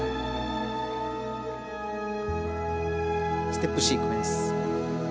ステップシークエンス。